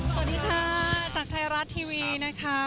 สวัสดีค่ะจากไทยรัฐทีวีนะคะ